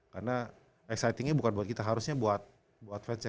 karena excitingnya bukan buat kita harusnya buat fans nya